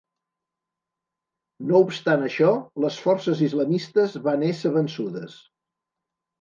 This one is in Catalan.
No obstant això, les forces islamistes van ésser vençudes.